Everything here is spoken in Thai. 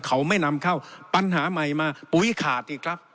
เขาไม่นำเข้าปัญหาใหม่มาปุ๋ยขาดสิครับ